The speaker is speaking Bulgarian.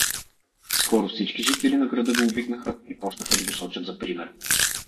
Скоро всички жители на града го обикнаха и почнаха да го сочат за пример.